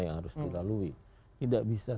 yang harus dilalui tidak bisa